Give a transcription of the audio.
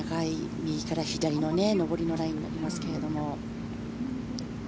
右から左の上りのラインになりますけども。